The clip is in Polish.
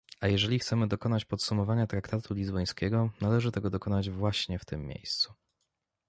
A jeżeli chcemy dokonać podsumowania traktatu lizbońskiego, należy tego dokonać właśnie w tym miejscu